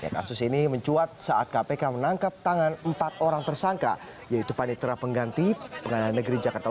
kasus ini mencuat saat kpk menangkap tangan empat orang tersangka yaitu panitra pengganti pengadilan negeri jakarta